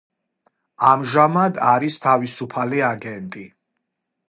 ამჟამად არის თავისუფალი აგენტი.